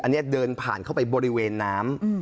อันนี้เดินผ่านเข้าไปบริเวณน้ำ